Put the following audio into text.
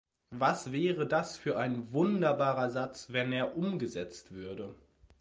Was wäre das für ein wunderbarer Satz, wenn er umgesetzt würde!